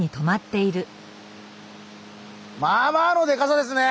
まあまあのデカさですね。